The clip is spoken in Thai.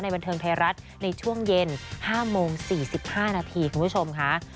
บันเทิงไทยรัฐในช่วงเย็น๕โมง๔๕นาทีคุณผู้ชมค่ะ